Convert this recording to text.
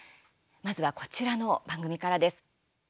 まずは、こちらの番組からです。